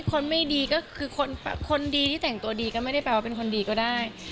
คนไม่ดีก็คือคนดีที่แต่งตัวดีก็ไม่ได้แปลว่าเป็นคนดีก็ได้